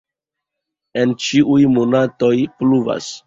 En ĉiuj monatoj pluvas.